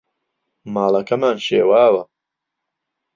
ماڵەکەمان شێواوە.